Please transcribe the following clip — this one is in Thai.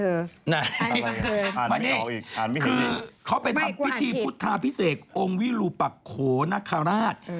คือเขารู้สึกเขาไปทำพิธีพุทธาพิเศกองค์วิรุปรับฝโคนาคาราช